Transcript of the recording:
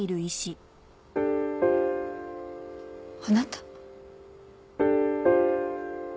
あなた。